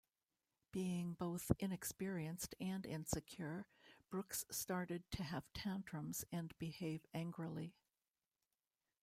Being both inexperienced and insecure, Brooks started to have tantrums and behave angrily.